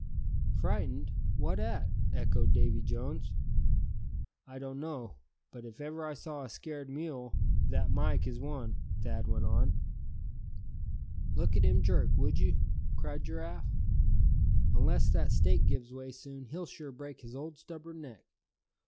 "Frightened; what at?" echoed Davy Jones. "I don't know; but if ever I saw a scared mule, that Mike is one," Thad went on. "Look at him jerk, would you?" cried Giraffe. "Unless that stake gives way soon, he'll sure break his old stubborn neck.